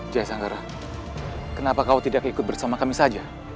jaya sanggara kenapa kau tidak ikut bersama kami saja